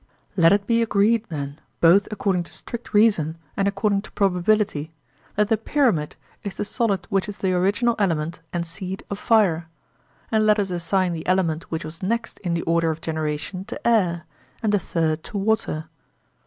Let it be agreed, then, both according to strict reason and according to probability, that the pyramid is the solid which is the original element and seed of fire; and let us assign the element which was next in the order of generation to air, and the third to water.